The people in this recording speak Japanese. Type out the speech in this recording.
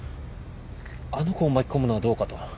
あの子を巻き込むのはどうかと。